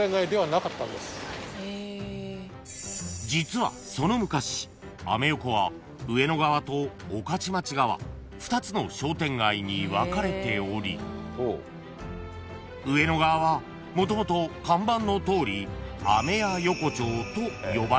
［実はその昔アメ横は上野側と御徒町側２つの商店街に分かれており上野側はもともと看板のとおり］